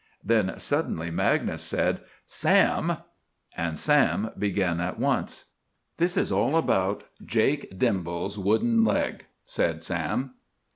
Then suddenly Magnus said, "Sam!" And Sam began at once. "This is all about— 'JAKE DIMBALL'S WOODEN LEG,'" said Sam.